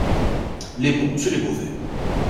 Les bons et les mauvais.